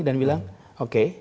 dan bilang oke